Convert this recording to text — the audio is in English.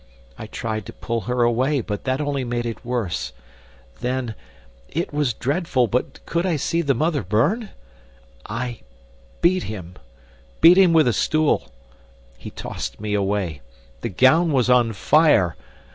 I tried to pull her away, but that only made it worse. Then it was dreadful, but could I see the mother burn? I beat him beat him with a stool. He tossed me away. The gown was on fire.!